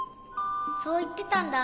そういってたんだ。